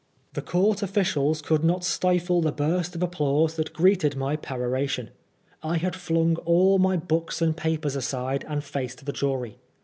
The court officials could not stifle the burst of ap plause that greeted my peroration. I had flung all my books and papers aside and faced the jury.